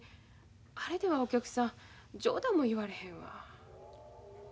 あれではお客さん冗談も言われへんわ。